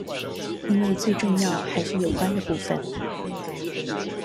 因為最重要還是有關的部分